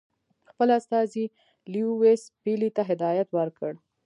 خپل استازي لیویس پیلي ته هدایت ورکړ.